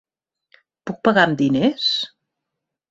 Puc pagar amb diners?